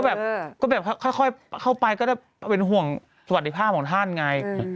แบบก็แบบค่อยเข้าไปก็ได้เป็นห่วงสวัสดิภาพของท่านไง